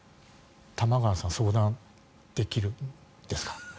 玉川さん、相談できるんですか？